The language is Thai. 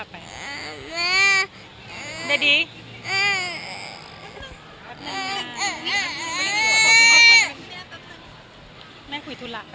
มิกกี้เมาส์